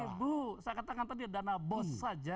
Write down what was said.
seribu saya katakan tadi ya dana bos saja